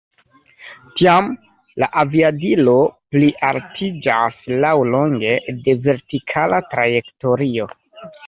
Tiam la aviadilo plialtiĝas laŭlonge de vertikala trajektorio.